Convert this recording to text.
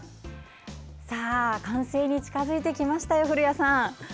完成に近づいてきましたよ古谷さん。